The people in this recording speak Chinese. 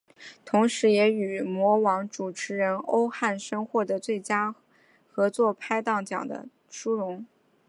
同时也与模王主持人欧汉声获得最佳合作拍档奖的殊荣。